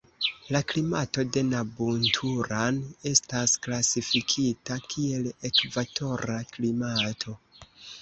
La klimato de Nabunturan estas klasifikita kiel ekvatora klimato.